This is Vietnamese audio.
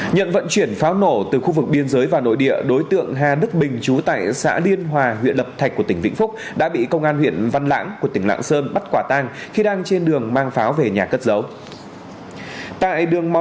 nhận vận chuyển pháo nổ từ khu vực biên giới vào nội địa đối tượng hà đức bình chú tại xã liên hòa huyện lập thạch của tỉnh vĩnh phúc đã bị công an huyện văn lãng của tỉnh lạng sơn bắt quả tang khi đang trên đường mang pháo về nhà cất giấu